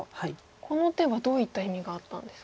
この手はどういった意味があったんですか？